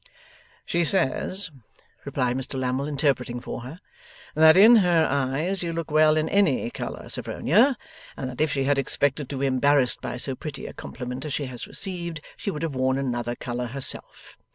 'She says,' replied Mr Lammle, interpreting for her, 'that in her eyes you look well in any colour, Sophronia, and that if she had expected to be embarrassed by so pretty a compliment as she has received, she would have worn another colour herself.